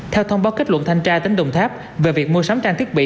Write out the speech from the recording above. theo thông báo kết luận thanh tra tỉnh đồng tháp về việc mua sắm trang thiết bị